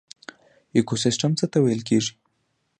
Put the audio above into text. ایکوسیستم څه ته ویل کیږي